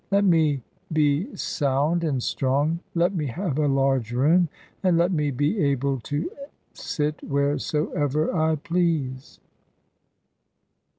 Let me be sound "and strong, let me have a large room, and let me be able to "sit wheresoever I please."